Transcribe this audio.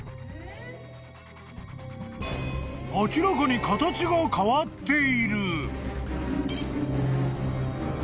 ［明らかに形が変わっている］